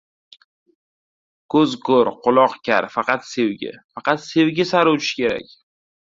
Ko‘z ko‘r, quloq kar… Faqat sevgi… faqat sevgi sari uchish kerak.